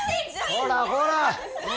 ほらほら！